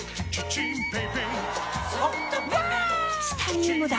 チタニウムだ！